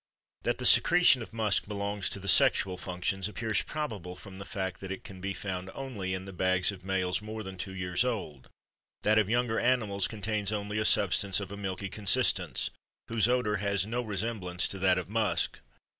That the secretion of musk belongs to the sexual functions appears probable from the fact that it can be found only in the bags of males more than two years old; that of younger animals contains only a substance of a milky consistence, whose odor has no resemblance to that of musk.